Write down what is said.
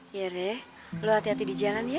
iya rere lo hati hati di jalan ya